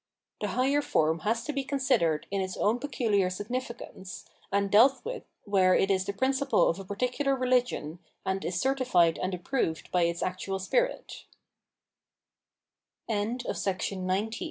The higher form has to be considered in its own peculiar significance, and dealt writh where it is the principle of a particular religion, and is certified and approved by its actual spiri